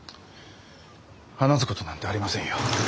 話すことなんてありませんよ。